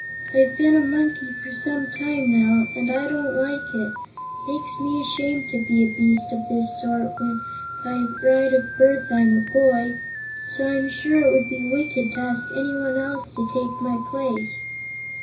I've been a monkey for some time, now, and I don't like it. It makes me ashamed to be a beast of this sort when by right of birth I'm a boy; so I'm sure it would be wicked to ask anyone else to take my place."